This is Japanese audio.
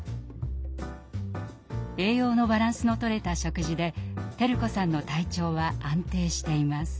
栄養のバランスのとれた食事で輝子さんの体調は安定しています。